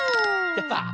やった！